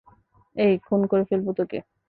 এই, খুন করে ফেলব তোকে।